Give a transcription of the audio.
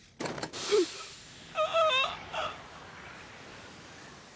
うっあぁ。